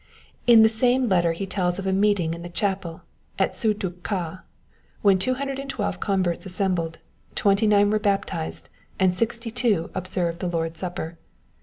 In the same letter he tells of a meeting in the chapel at Tsui tug Kha, when 212 converts assembled, twenty nine were baptized, and sixty two observed the Lord's Supper.